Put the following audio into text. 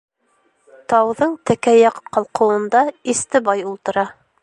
Тауҙың текә яҡ ҡалҡыуында Истебай ултыра.